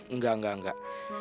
enggak enggak enggak